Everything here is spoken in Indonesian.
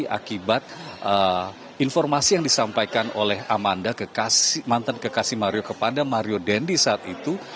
jadi akibat informasi yang disampaikan oleh amanda kekasih mantan kekasih mario kepada mario dandy saat itu